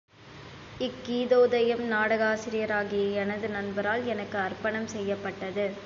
இக் கீதோதயம் நாடகசிரியராகிய எனது நண்பரால் எனக்கு அர்ப்பணம் செய்யப்பட்டது.